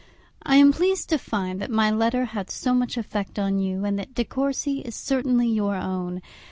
I am pleased to find that my letter had so much effect on you, and that De Courcy is certainly your own.